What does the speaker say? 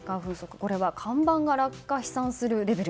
これは看板が落下飛散するレベル。